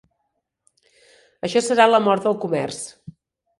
Això serà la mort del comerç.